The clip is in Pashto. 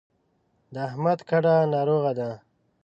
د احمد کډه ناروغه ده.